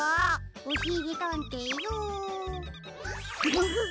おしりたんていさんムフ。